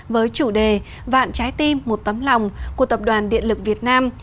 với chủ đề vạn trái tim một tấm lòng của tập đoàn điện lực việt nam